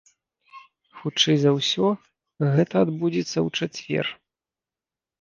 Хутчэй за ўсё, гэта адбудзецца ў чацвер.